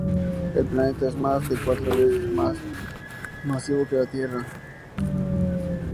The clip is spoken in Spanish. El planeta es más de cuatro veces más masivo que la Tierra.